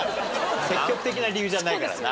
積極的な理由じゃないからな。